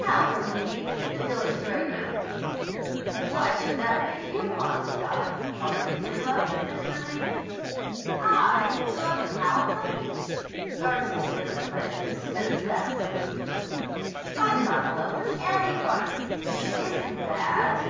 "Holcomb Lee, the illustrator." "Why should that make you want to die? Are you in love with Mr. Lee?" "I in love with Holcomb!" Darcy's bitter grin dismissed that supposition. "I'm not in love with anybody. It isn't that."